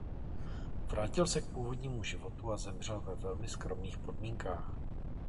Vrátil se k původnímu životu a zemřel ve velmi skromných podmínkách.